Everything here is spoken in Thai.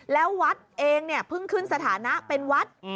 แล้ววัดเองเนี่ยเพิ่งขึ้นสถานะเป็นวัด